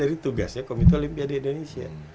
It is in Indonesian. jadi bagian dari tugasnya komite olimpiade indonesia